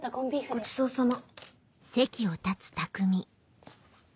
ごちそうさま。